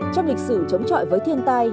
trong lịch sử chống chọi với thiên tai